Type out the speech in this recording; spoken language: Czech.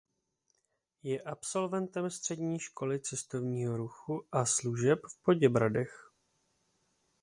Je absolventem střední školy cestovního ruchu a služeb v Poděbradech.